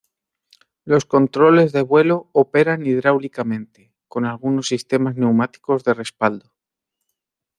Los controles de vuelo operan hidráulicamente, con algunos sistemas neumáticos de respaldo.